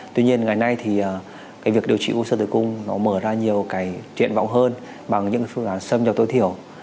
tuy nhiên ngày nay thì cái việc điều trị u sơ tử cung nó mở ra nhiều cái triện vọng hơn bằng những phương pháp sâm nhập tối thiểu